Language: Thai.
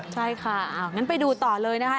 ใช่ค่ะงั้นไปดูต่อเลยนะคะ